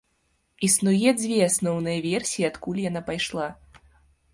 Існуе дзве асноўныя версіі, адкуль яна пайшла.